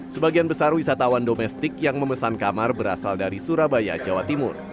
sebagian besar wisatawan domestik yang memesan kamar berasal dari surabaya jawa timur